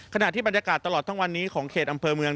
ขณะที่บรรยากาศตลอดทั้งวันนี้ของเขตอำเภอเมือง